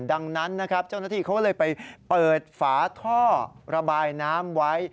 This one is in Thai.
ดังนั้นนะครับเจ้าหน้าที่เขาเลยไปเปิดฝาท่อระบายน้ำไว้